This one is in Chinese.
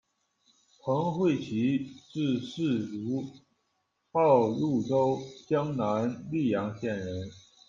彭会淇，字四如，号菉洲，江南溧阳县人。